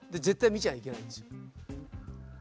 見ちゃいけないんですよ。